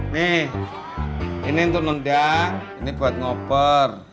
nih ini untuk nunda ini buat ngoper